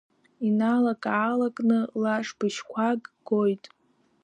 Иналак-аалакны лашбыжьқәак гоит.